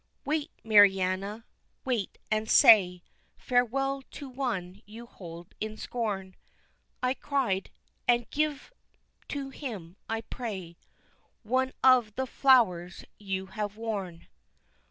"Wait, Mariana, wait, and say Farewell to one you hold in scorn!" I cried, "and give to him I pray One of the flowers you have worn."